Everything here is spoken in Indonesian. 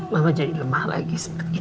mama jadi lemah lagi